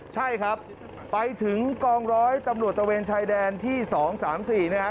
ใช่ครับไปถึงกองร้อยตำรวจตะเวนชายแดนที่๒๓๔นะครับ